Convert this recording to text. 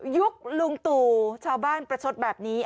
ยุคลุงตู่ชาวบ้านประชดแบบนี้